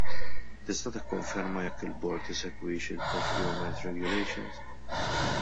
Tista' tikkonferma jekk il-bord isegwix il-procurement regulations?